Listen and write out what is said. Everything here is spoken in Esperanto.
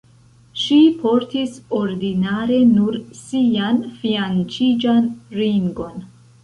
Ŝi portis ordinare nur sian fianĉiĝan ringon.